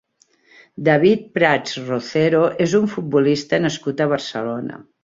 David Prats Rocero és un futbolista nascut a Barcelona.